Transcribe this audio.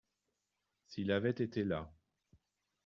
S’il avait été là.